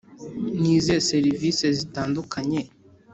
Ni izihe serivise zitandukanye